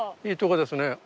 いいとこですね。